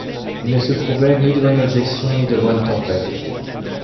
Il ne se courbait ni devant une objection, ni devant une tempête.